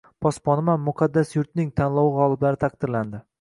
Posboniman muqaddas yurtning tanlovi g‘oliblari taqdirlandi